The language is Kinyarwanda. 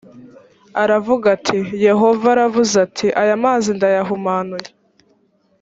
aravuga ati yehova aravuze ati aya mazi ndayahumanuye